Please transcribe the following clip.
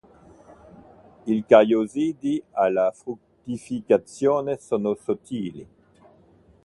I cariossidi alla fruttificazione sono sottili.